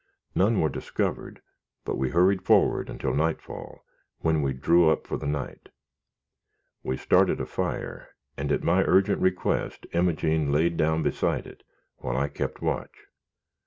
None were discovered, but we hurried forward until nightfall, when we drew up for the night. We started a fire, and at my urgent request, Imogene lay down beside it, while I kept watch.